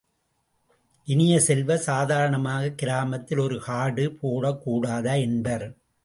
இனிய செல்வ, சாதாரணமாகக் கிராமத்தில் ஒரு கார்டு போடக்கூடாதா? என்பர்.